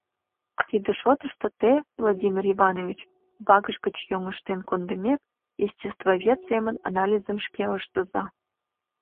— Тиде шотышто те, Владимир Иванович, вакш гыч йоҥыштен кондымек, естествовед семын анализым шке ыштыза.